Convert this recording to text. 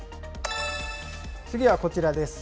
次はこちらです。